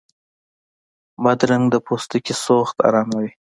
بادرنګ د پوستکي سوخت اراموي.